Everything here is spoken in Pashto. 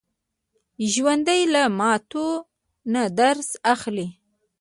ژوندي له ماتو نه درس اخلي